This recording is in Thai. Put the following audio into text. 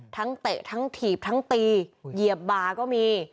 เตะทั้งถีบทั้งตีเหยียบบาก็มี